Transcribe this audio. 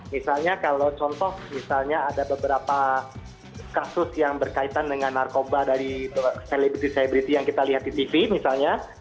misalnya kalau contoh misalnya ada beberapa kasus yang berkaitan dengan narkoba dari celebrity cyberti yang kita lihat di tv misalnya